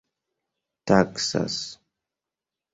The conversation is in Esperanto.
taksas